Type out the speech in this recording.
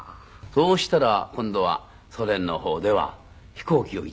そうしたら今度はソ連の方では飛行機を１台出しましてね。